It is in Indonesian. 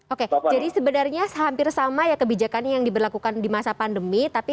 oke jadi sebenarnya hampir sama ya kebijakannya yang diberlakukan di masa pandemi